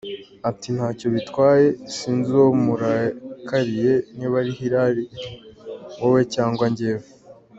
Ati “Ntacyo bitwaye, sinzi uwo murakariye niba ari Hillary, wowe cyangwa njyewe.